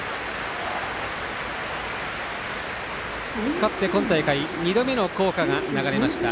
勝って今大会２度目の校歌が流れました。